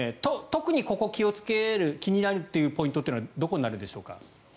特にここを気をつける気になるポイントはどこになるんでしょうか？